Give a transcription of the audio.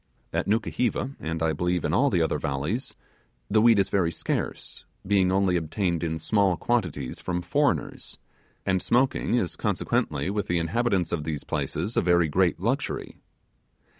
At Nukuheva, and, I believe, in all the other valleys, the weed is very scarce, being only obtained in small quantities from foreigners, and smoking is consequently with the inhabitants of these places a very great luxury.